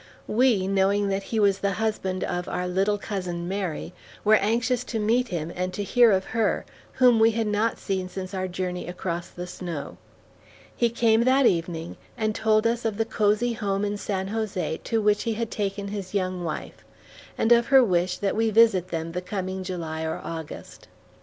We, knowing that he was the husband of our "little cousin Mary," were anxious to meet him and to hear of her, whom we had not seen since our journey across the snow. He came that evening, and told us of the cozy home in San Jose to which he had taken his young wife, and of her wish that we visit them the coming July or August.